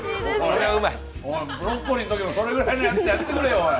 ブロッコリーのときもそれくらいのやつやってくれよ。